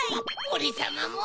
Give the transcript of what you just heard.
おれさまも！